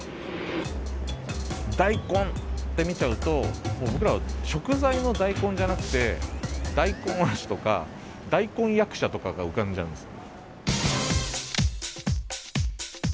「大根」って見ちゃうともう僕らは食材の大根じゃなくて大根足とか大根役者とかが浮かんじゃうんですよ。